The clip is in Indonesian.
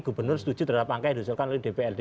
gubernur setuju terhadap angka yang diusulkan oleh dprd